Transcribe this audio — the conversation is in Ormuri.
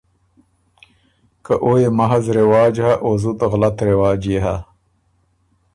که او يې محض رواج هۀ، او زُت غلط رواج يې هۀ۔